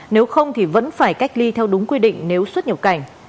nếu không thì vẫn phải cách ly theo đúng quy định nếu xuất nhập cảnh